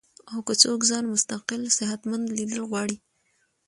او کۀ څوک ځان مستقل صحتمند ليدل غواړي